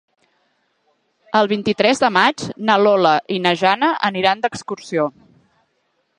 El vint-i-tres de maig na Lola i na Jana aniran d'excursió.